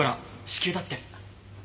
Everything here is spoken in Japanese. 至急だって。